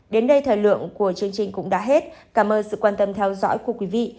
đến đây thời lượng của chương trình cũng đã hết cảm ơn sự quan tâm theo dõi của quý vị